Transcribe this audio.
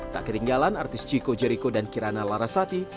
tak ketinggalan artis ciko jeriko dan kirana larasati